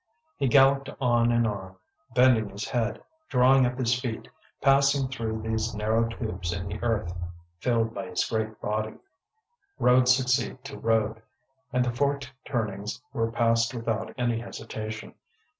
He galloped on and on, bending his head, drawing up his feet, passing through these narrow tubes in the earth, filled by his great body. Road succeeded to road, and the forked turnings were passed without any hesitation.